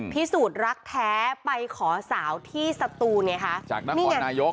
พิสูจน์รักแท้ไปขอสาวที่สตูนี่ค่ะ